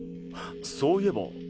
そういえば。